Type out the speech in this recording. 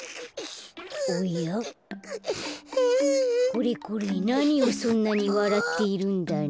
これこれなにをそんなにわらっているんだね？